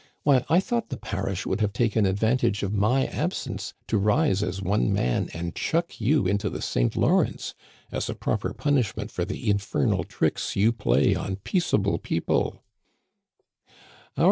Why, I thought the parish would have taken advantage of my absence to rise as one man and chuck you into the St. Lawrence, as a proper punishment for the infernal tricks you play on peaceable people."